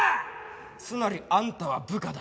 つまりあんたは部下だ。